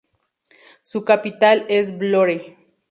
Su capital es Vlorë.